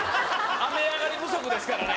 雨上がり不足ですからね。